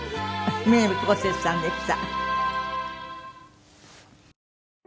南こうせつさんでした。